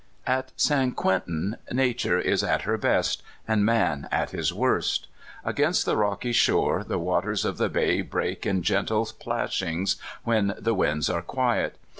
At San Quentin nature is at her best, and man at his worst. Against the rocky shore the Nvaters of the bay break in gentle plash.ngs when tl e winds are quiet.